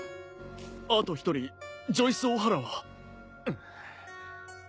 あと１人ジョイスオハラは？